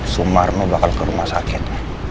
sumarno bakal ke rumah sakit